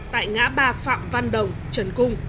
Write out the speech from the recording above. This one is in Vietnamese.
tại ngã ba phạm văn đồng trần cung